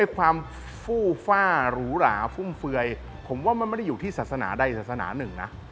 ความฟู่ฟ่าหรูหราฟุ่มเฟือยผมว่ามันไม่ได้อยู่ที่ศาสนาใดศาสนาหนึ่งนะ